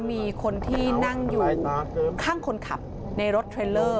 มีคนที่นั่งอยู่ข้างคนขับในรถเทรลเลอร์